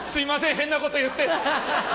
変なこと言って。